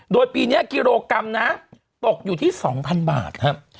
โดยปีนี้กิโลกรัมนะตกอยู่ที่๒๐๐บาทครับ